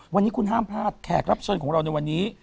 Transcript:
วันนี้คุณห้ามพลาดแขกรับเชิญของเราในวันนี้